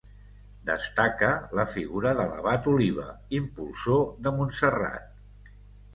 Destaca la figura de l'abat Oliba, impulsor de Montserrat.